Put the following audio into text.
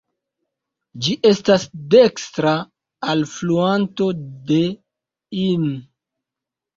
Ĝi estas dekstra alfluanto de Inn.